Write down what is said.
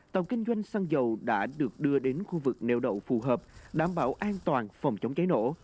tàu kinh doanh xăng dầu đã được đưa đến khu vực neo đậu phù hợp đảm bảo an toàn phòng chống cháy nổ